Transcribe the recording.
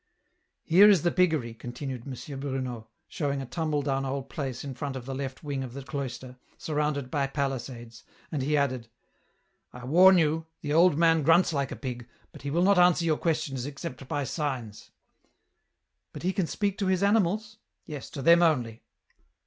" Here is the piggery," continued M. Bruno, showing a tumble down old place in front of the left wing of the cloister, surrounded by palisades ; and he added, " I warn you, the old man grunts like a pig, but he will not answer your questions except by signs." But he can speak to his animals? "" Yes, to them only."